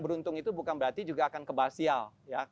beruntung itu bukan berarti juga akan kebalsial